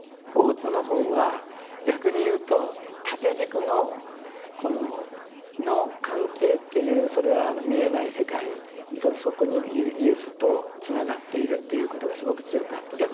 大津の方は逆に言うと縦軸の関係っていうそれは見えない世界とそこにいるイエスとつながっているっていうことがすごく強くあって。